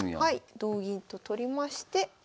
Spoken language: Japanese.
同銀と取りまして